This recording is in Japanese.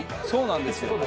そうなんですね。